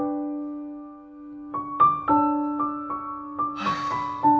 はあ。